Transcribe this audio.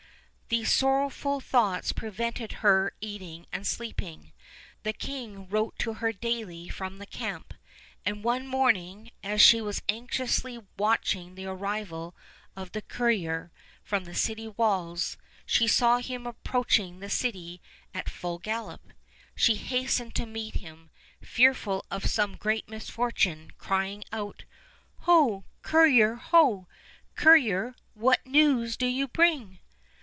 These sorrowful thoughts prevented her eating and sleeping. The king wrote to her daily from the camp; and one morning, as she was anxiously watching the arrival of the courier, from the city walls, she saw him approaching the city at full gallop. She hastened to meet him, fearful of some great misfortune, crying out: "Ho! courier, ho! courier, what news do you bring?"